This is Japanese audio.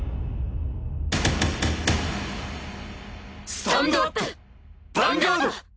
スタンドアップヴァンガード！